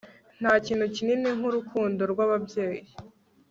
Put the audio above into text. Ntakintu kinini nkurukundo rwababyeyi